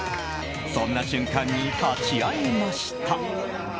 そんな瞬間に立ち会えました。